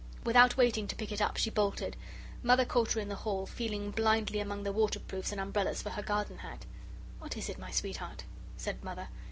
Without waiting to pick it up she bolted. Mother caught her in the hall feeling blindly among the waterproofs and umbrellas for her garden hat. "What is it, my sweetheart?" said Mother.